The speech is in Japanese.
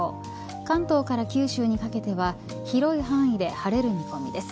関東から九州にかけては広い範囲で晴れる見込みです。